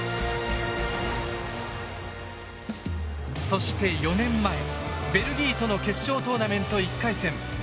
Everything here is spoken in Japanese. そして４年前ベルギーとの決勝トーナメント１回戦。